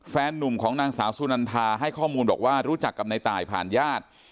นุ่มของนางสาวสุนันทาให้ข้อมูลบอกว่ารู้จักกับในตายผ่านญาติ